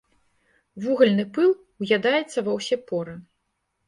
Вугальны пыл ўядаецца ва ўсе поры.